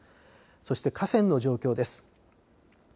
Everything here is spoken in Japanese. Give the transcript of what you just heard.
そして河川の状況です。